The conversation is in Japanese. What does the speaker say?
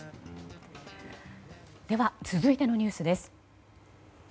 では、続いてのニュースです。